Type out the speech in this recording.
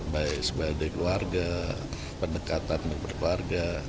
baik sebagai keluarga pendekatan berkeluarga